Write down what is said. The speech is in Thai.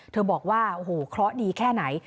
บอกว่าโอ้โหเคราะห์ดีแค่ไหน